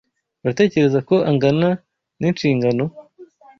Uratekereza ko angana n'inshingano?